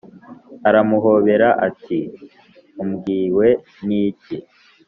aramuhobera ati"umbwiwe niki